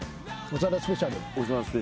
長田スペシャル。